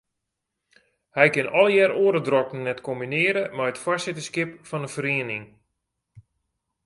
Hij kin allegear oare drokten net kombinearje mei it foarsitterskip fan 'e feriening.